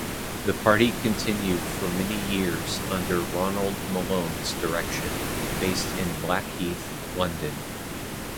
The party continued for many years under Ronald Mallone's direction, based in Blackheath, London.